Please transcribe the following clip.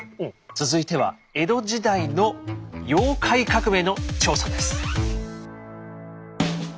続いては江戸時代の妖怪革命の調査です。